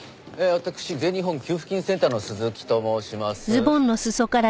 私全日本給付金センターの鈴木と申します。